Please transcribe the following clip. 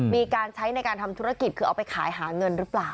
มีการใช้ในการทำธุรกิจคือเอาไปขายหาเงินหรือเปล่า